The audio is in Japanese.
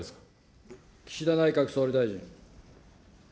岸田内閣総理大臣。